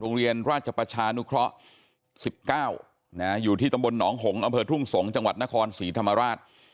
โรงเรียนราชประชานุเคราะห์๑๙อยู่ที่ตำบลหนองหงษอำเภอทุ่งสงศ์จังหวัดนครศรีธรรมราช